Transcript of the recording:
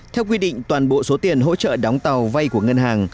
theo quy định toàn bộ số tiền hỗ trợ đóng tàu vay của ngân hàng